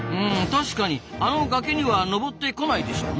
確かにあの崖には登ってこないでしょうなあ。